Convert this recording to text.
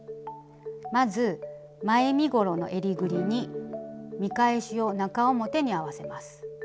まず前身ごろのえりぐりに見返しを中表に合わせます。